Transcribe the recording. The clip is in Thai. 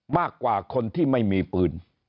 มากกว่าคนที่ไม่มีปืน